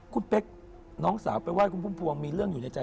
คุณเป๊กน้องสาวไปไห้คุณพุ่มพวงมีเรื่องอยู่ในใจ